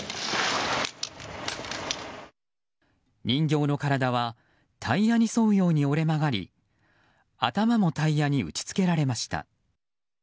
人形の体はタイヤに沿うように折れ曲がり頭もタイヤに打ち付けられました。